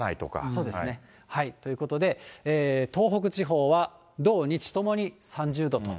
そうですね。ということで、東北地方は土日ともに３０度と、